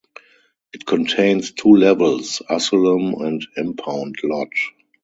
It contains two levels: Asylum and Impound Lot.